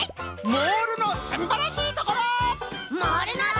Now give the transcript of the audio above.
「モールのすんばらしいところ！」。